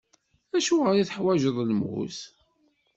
Acuɣer i teḥwaǧeḍ lmus?